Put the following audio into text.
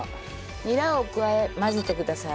ニラを加え混ぜてください。